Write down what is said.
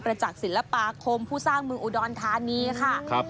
ประจักษ์ศิลปาคมผู้สร้างเมืองอุดรทานีค่ะ